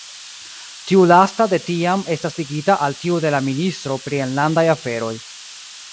Tiu lasta de tiam estas ligita al tiu de la ministro pri enlandaj aferoj.